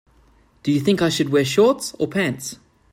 Do you think I should wear shorts or pants?